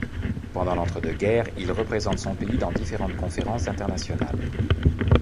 Pendant l'entre-deux-guerres, il représente son pays dans différentes conférences internationales.